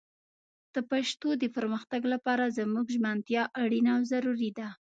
د پښتو د پرمختګ لپاره زموږ ژمنتيا اړينه او ضروري ده